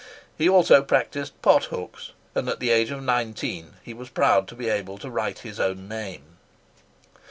He also practised "pothooks," and at the age of nineteen he was proud to be able to write his own name.